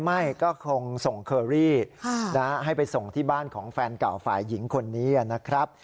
ไม่ก็คงส่งเคอรี่ให้ไปส่งที่บ้านของแฟนเก่าฝ่ายหญิงคนนี้นะครับ